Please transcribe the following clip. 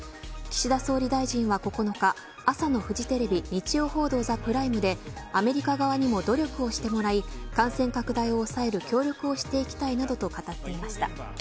岸田総理大臣は９日朝のフジテレビ日曜報道ＴＨＥＰＲＩＭＥでアメリカ側にも努力をしてもらい感染拡大を抑える協力をしていきたいなどと語っていました。